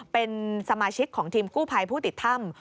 เป็นสมาชิกของทีมกู้ภัยผู้ติดถ้ำ